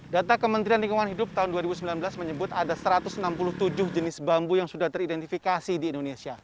data kementerian lingkungan hidup tahun dua ribu sembilan belas menyebut ada satu ratus enam puluh tujuh jenis bambu yang sudah teridentifikasi di indonesia